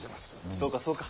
そうかそうか。